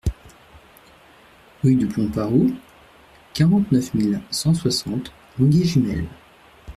Rue du Pont Poiroux, quarante-neuf mille cent soixante Longué-Jumelles